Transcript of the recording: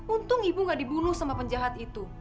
untung ibu gak dibunuh sama penjahat itu